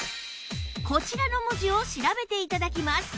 こちらの文字を調べて頂きます